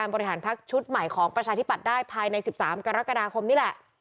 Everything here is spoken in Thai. กรรมการบริหารพักธุ์ชุดใหม่ของประชาธิบัตรได้ภายใน๑๓กรกฎาคมนี่แหละ